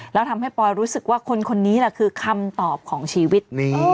แล้วทำให้ปอยรู้สึกว่าคนนี้แหละคือคำตอบของชีวิต